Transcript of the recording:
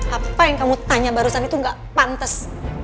apa yang kamu tanya barusan itu gak pantas